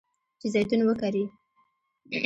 چې زیتون وکري.